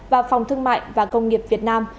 và phòng thương mại và công nghiệp việt nam